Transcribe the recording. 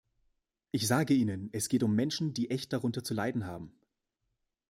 Ich sage Ihnen, es geht um Menschen, die echt darunter zu leiden haben.